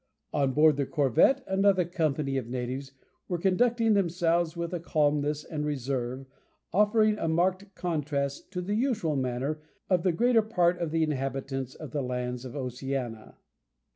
On board the corvette another company of natives were conducting themselves with a calmness and reserve, offering a marked contrast to the usual manner of the greater part of the inhabitants of the lands of Oceania.